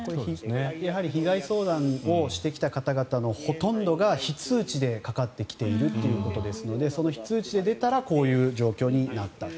やはり被害相談をしてきた方々のほとんどが非通知でかかってきているということですので非通知で出たらこういう状況になったと。